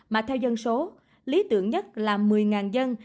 mà theo dân số lý tưởng nhất là một mươi dân